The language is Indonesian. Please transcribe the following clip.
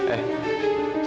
eh lu apa